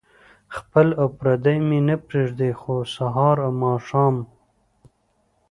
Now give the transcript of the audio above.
خپل او پردي مې نه پرېږدي خو سهار او ماښام.